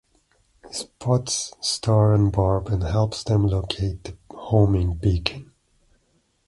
He spots Star and Barb and helps them locate the homing beacon.